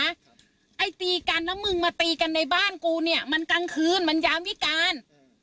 ไอ้ตีกันแล้วมึงมาตีกันในบ้านกูเนี่ยมันกลางคืนมันยามวิการ